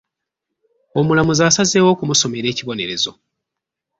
Omulamuzi asazeewo okumusomera ekibonerezo.